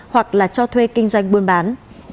hoặc là cho thuê kinh doanh buôn bán